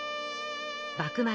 幕末